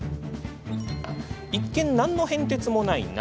一見なんの変哲もない鍋。